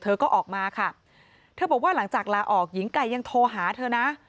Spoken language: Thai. เธอก็ออกมาค่ะเธอบอกว่าหลังจากลาออกหญิงไก่ยังโทรหาเธอนะ